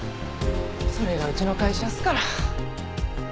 それがうちの会社っすから。